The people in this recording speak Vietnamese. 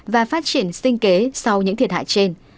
và phát triển sinh kế sau những thiệt hại trên